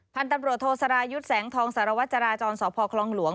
พันธุ์ตำรวจโทสรายุทธ์แสงทองสารวัตรจราจรสพคลองหลวง